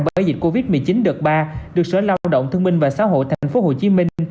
bởi dịch covid một mươi chín đợt ba được sở lao động thương minh và xã hội tp hcm